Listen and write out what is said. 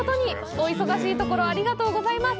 お忙しいところ、ありがとうございます。